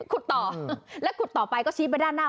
ขุดต่อแล้วขุดต่อไปก็ชี้ไปด้านหน้า